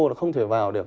nó không thể vào được